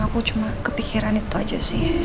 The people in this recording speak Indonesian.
aku cuma kepikiran itu aja sih